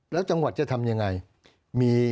แล้วจังหวัดจะทำยังไง